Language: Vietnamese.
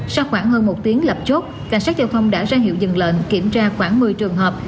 sau khoảng hơn một tiếng lập chốt cảnh sát giao thông đã ra hiệu dừng lệnh kiểm tra khoảng một mươi trường hợp